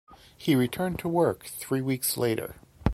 He returned to work three weeks later.